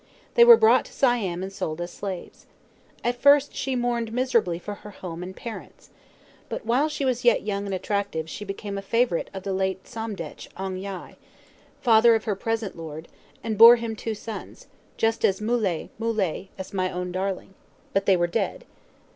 They were brought to Siam and sold as slaves. At first she mourned miserably for her home and parents. But while she was yet young and attractive she became a favorite of the late Somdetch Ong Yai, father of her present lord, and bore him two sons, just as "moolay, moolay" as my own darling. But they were dead.